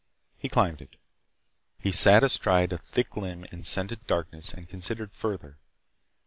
He climbed it. He sat astride a thick limb in scented darkness and considered further.